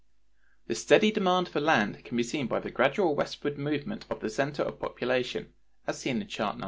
The steady demand for land can be seen by the gradual westward movement of the center of population, as seen in chart No.